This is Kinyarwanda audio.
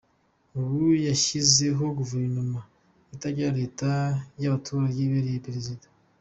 Ubu yashyizeho Guverinoma itagira Leta n’abaturage abereye Perezida.